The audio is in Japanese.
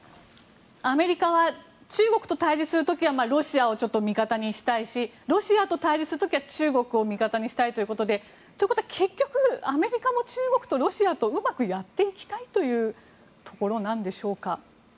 アメリカは中国と対峙する時はロシアをちょっと味方にしたいしロシアと対峙する時は中国を味方にしたいということでということは結局アメリカも中国やロシアとうまくやっていきたいというところなんでしょうか。